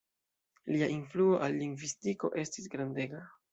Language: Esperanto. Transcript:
Lia influo al lingvistiko estis grandega.